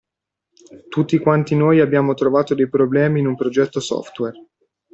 Tutti quanti noi abbiamo trovato dei problemi in un progetto software.